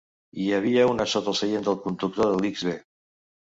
Hi havia una sota el seient del conductor de l'xB.